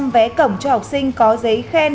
vé cổng cho học sinh có giấy khen